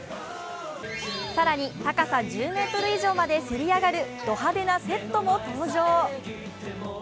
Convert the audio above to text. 更に、高さ１０ｍ以上までせり上がるド派手なセットも登場。